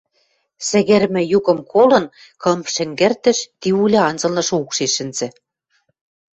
Сӹгӹрӹмӹ юкым колын, кым шӹнгӹртӹш, ти уля анзылнышы укшеш шӹнзӹ.